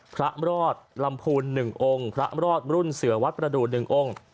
พระรอดลำพูน๑องค์พระรอดรุ่นเสือวัดประดูก๑องค์